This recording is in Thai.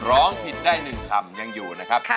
ร้องผิดได้๑คำยังอยู่นะครับ